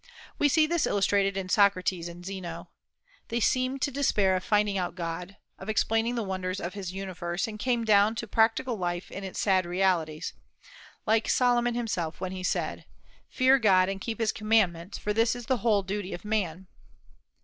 We see this illustrated in Socrates and Zeno. They seemed to despair of finding out God, of explaining the wonders of his universe, and came down to practical life in its sad realities, like Solomon himself when he said, "Fear God and keep his commandments, for this is the whole duty of man."